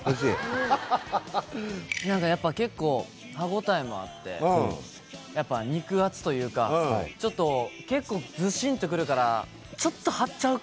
うん何かやっぱ結構歯応えもあってやっぱ肉厚というかちょっと結構ズシンとくるからマジで？